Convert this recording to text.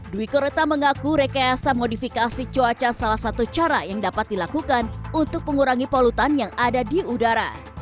dwi koreta mengaku rekayasa modifikasi cuaca salah satu cara yang dapat dilakukan untuk mengurangi polutan yang ada di udara